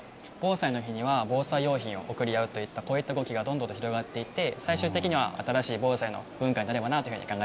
防災の日には防災用品を贈り合うといった、こういった動きがどんどん広がっていって、最終的には新しい防災の文化になればな